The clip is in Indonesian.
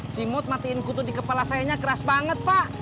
jimud matiin kutu di kepala sayanya keras banget pak